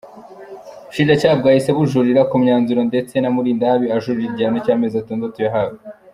Ubushinjacyaha bwahise bujuririra uyu mwanzuro ndetse na Mulindahabi ajurira igihano cy’amezi atandatu yahawe.